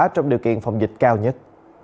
trong điều kiện phòng dịch cao nhất